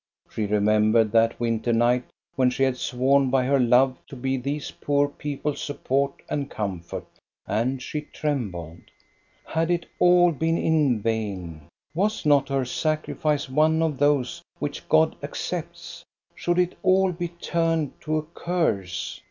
She remembered that winter night when she had sworn by her love to be these poor people's support and comfort, and she trembled. Had it all been in vain; was not her sacrifice one of those which God accepts? Should it all be turned to a curse?